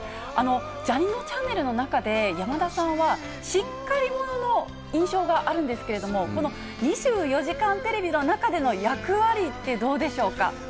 ジャにのちゃんねるの中で、山田さんは、しっかり者の印象があるんですけれども、この２４時間テレビの中での役割ってどうでしょうか。